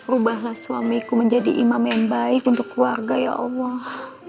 ubahlah suamiku menjadi imam yang baik untuk keluarga ya allah